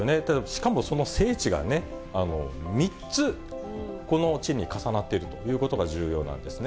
しかもその聖地が３つ、この地に重なっているというのが重要なんですね。